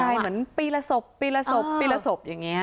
ใช่เหมือนปีละศพปีละศพปีละศพอย่างนี้